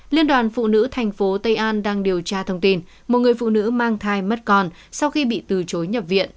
liên đoàn phụ nữ thành phố tây an đang điều tra thông tin một người phụ nữ mang thai mất con sau khi bị từ chối nhập viện